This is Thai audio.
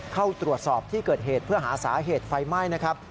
เข้าตรวจสอบที่เกิดเหตุเพื่อหาสาเหตุไฟไหม้นะครับ